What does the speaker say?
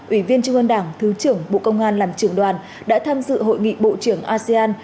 ủy viên trung ương đảng thứ trưởng bộ công an làm trưởng đoàn đã tham dự hội nghị bộ trưởng asean